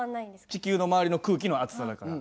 地球の周りの空気の厚さだから。